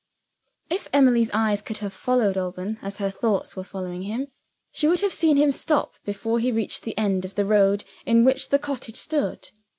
If Emily's eyes could have followed Alban as her thoughts were following him, she would have seen him stop before he reached the end of the road in which the cottage stood.